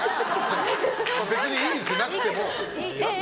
別にいいですよ、なくても。